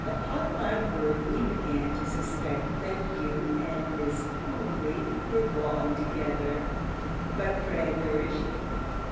Upon my word we began to suspect that you and Miss Mowbray were gone together. But pray where is she?'